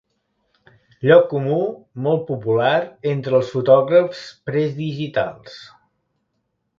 Lloc comú molt popular entre els fotògrafs predigitals.